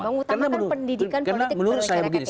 mengutamakan pendidikan politik terhadap masyarakat ya